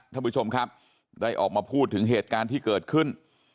ท่านผู้ชมครับได้ออกมาพูดถึงเหตุการณ์ที่เกิดขึ้น